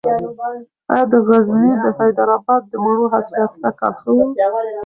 ایا د غزني د حیدر اباد د مڼو حاصلات سږکال ښه و؟